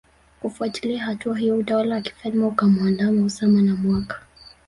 Kufuatia hatua hiyo utawala wa kifalme ukamuandama Osama na mwaka